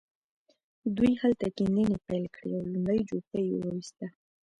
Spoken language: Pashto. دوی هلته کيندنې پيل کړې او لومړۍ جوپه يې وويسته.